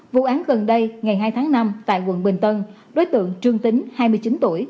vụ án gần đây ngày hai tháng năm tại quận bình tân đối tượng trương tính hai mươi chín tuổi